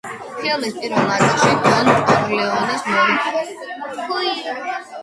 ფილმის პირველ ნაწილში დონ კორლეონეს როლი მარლონ ბრანდომ ითამაშა.